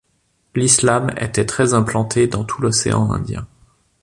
L'islam était très implanté dans tout l'océan indien.